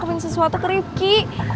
gue ngakumin sesuatu teriuki